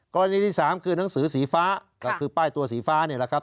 กรณีที่สามคือหนังสือสีฟ้าก็คือป้ายตัวสีฟ้านี่แหละครับ